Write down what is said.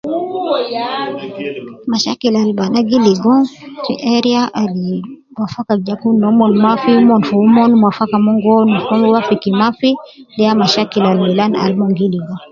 Mashakil Al banaa gi ligo fi area Al wafaka gi ja kun maafi umon gi umon mon gi wafiki maafi de ya mashakil Al Milan Al umon gi ligo.